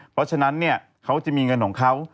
เพราะฉะนั้นเขาจะมีเงินของเขา